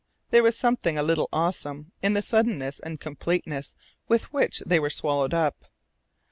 There was something a little awesome in the suddenness and completeness with which they were swallowed up.